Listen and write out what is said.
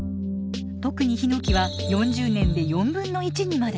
特にヒノキは４０年で４分の１にまで。